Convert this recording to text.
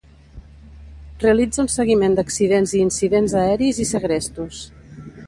Realitza un seguiment d'accidents i incidents aeris i segrestos.